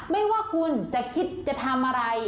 ไม่ว่าคุณจะคิดจะทำอะไร